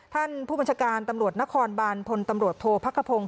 ท่านผู้บัญชาการตำรวจนครบานพลตำรวจโทษพักขพงศ